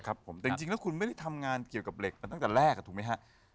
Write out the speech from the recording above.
ครับผมแต่จริงแล้วคุณไม่ได้ทำงานเกี่ยวกับเหล็กมาตั้งแต่แรกถูกไหมฮะ